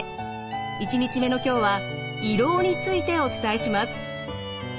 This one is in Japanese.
１日目の今日は胃ろうについてお伝えします。